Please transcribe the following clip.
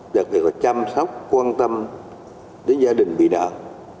đặc biệt là chăm sóc quan tâm đến gia đình bị nạn